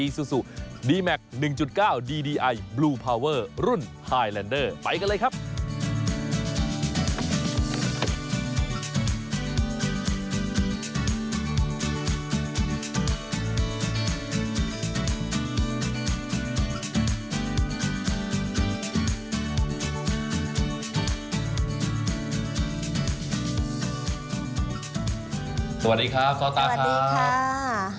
สวัสดีครับสวัสดีครับสวัสดีครับ